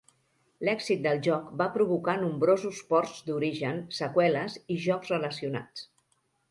L'èxit del joc va provocar nombrosos ports d'origen, seqüeles i jocs relacionats.